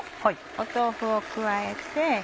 豆腐を加えて。